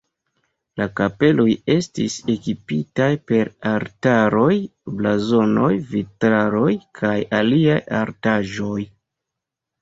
La kapeloj estis ekipitaj per altaroj, blazonoj, vitraloj kaj aliaj artaĵoj.